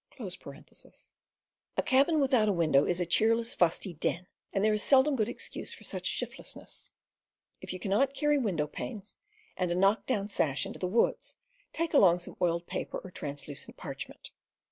A cabin without a window is a cheerless, fusty den, and there is seldom good excuse for such shiftlessness. If you cannot carry window panes and a knock down sash into the woods, take along some oiled paper or translucent parchment.